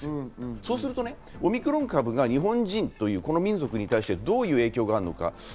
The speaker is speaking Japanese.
そうするとオミクロン株が日本人という民族に対してどういう影響があるか。